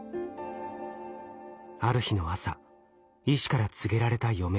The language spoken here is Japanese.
ある日の朝医師から告げられた余命。